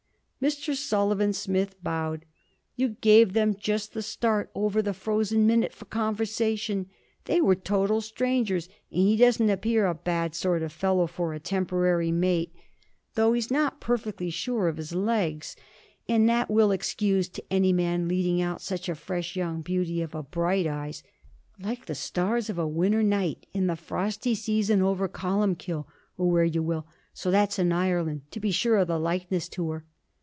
Mr. Sullivan Smith bowed. 'You gave them just the start over the frozen minute for conversation; they were total strangers, and he doesn't appear a bad sort of fellow for a temporary mate, though he's not perfectly sure of his legs. And that we'll excuse to any man leading out such a fresh young beauty of a Bright Eyes like the stars of a winter's night in the frosty season over Columkill, or where you will, so that's in Ireland, to be sure of the likeness to her.'